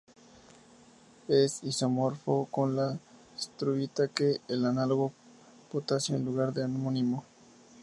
Es isomorfo con la struvita-K, el análogo con potasio en lugar de amonio.